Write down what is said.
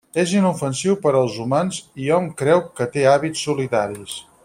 És inofensiu per als humans i hom creu que té hàbits solitaris.